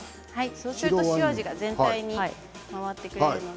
そうすると塩味が全体に回ってくれるので。